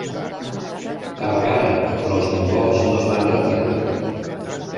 Carregaren però els mongols no es van retirar.